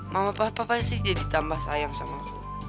mama papa sih jadi tambah sayang sama aku